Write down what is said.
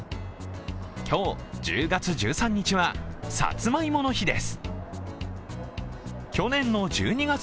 今日１０月１３日はさつまいもの日です。